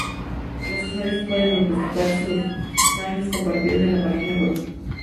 Los usuarios pueden incrustar sus mashups compartidos en la página web.